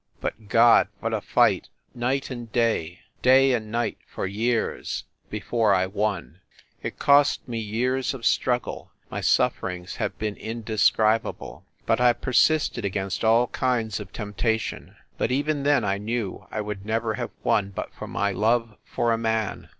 But, God ! what a fight ; night and day, day and night for years before I won. It cost me years of struggle; my sufferings have been indescribable, but I per sisted against all kinds of temptation. But even then I knew I would never have won but for my love for a man.